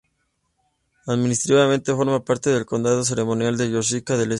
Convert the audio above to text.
Administrativamente forma parte del condado ceremonial de Yorkshire del Este.